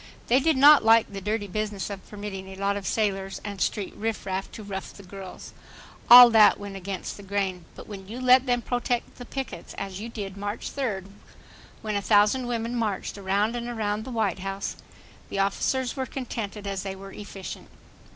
They did not like the dirty business of permitting a lot of sailors and street rifraff to rough the girls. All that went against the grain, but when you let them protect the pickets, as you did March third, when a thousand women marched around and around the White House, the officers were as contented as they were efficient.